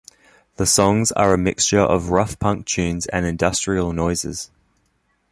The songs are a mixture of rough punk tunes and industrial noises.